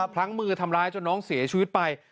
พลั้งมือทำร้ายจนน้องเสียชีวิตไป